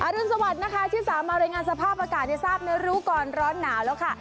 รุนสวัสดิ์นะคะที่สามารถรายงานสภาพอากาศให้ทราบในรู้ก่อนร้อนหนาวแล้วค่ะ